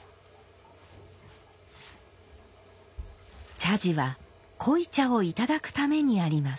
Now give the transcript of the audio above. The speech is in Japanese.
茶事は濃茶をいただくためにあります。